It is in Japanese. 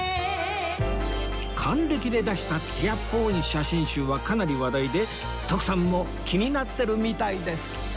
還暦で出した艶っぽい写真集はかなり話題で徳さんも気になってるみたいです